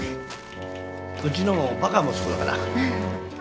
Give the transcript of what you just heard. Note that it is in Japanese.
うちのもバカ息子だから。